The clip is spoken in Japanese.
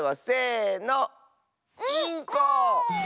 インコ！